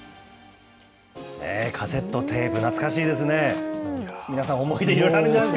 カセットテープ、懐かしいですね。